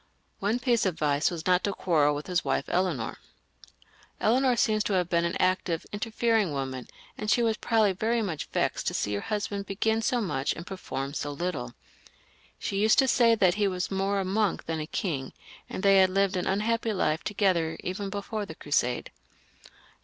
One piece of advice was not to quarrel with his wife Eleanor. Eleanor seems to have been an active, interfering woman, and she was probably very much vexed to see her husband begin so much and perform so little. She used to say that he was more a monk than a king, and they had lived an unhappy life together even before the Crusade.